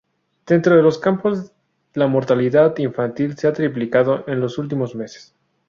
Dentro de los campos, la mortalidad infantil se ha triplicado en los últimos meses.